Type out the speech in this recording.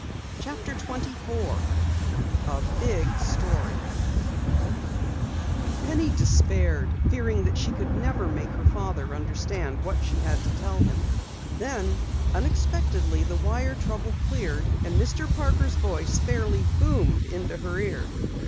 CHAPTER 24 A BIG STORY Penny despaired, fearing that she never could make her father understand what she had to tell him. Then unexpectedly the wire trouble cleared and Mr. Parker's voice fairly boomed in her ear.